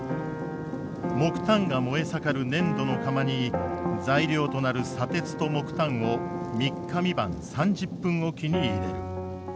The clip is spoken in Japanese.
木炭が燃え盛る粘土の釜に材料となる砂鉄と木炭を３日３晩３０分置きに入れる。